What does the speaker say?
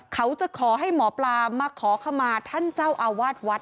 ขอให้หมอปลามาขอขมาท่านเจ้าอาวาสวัด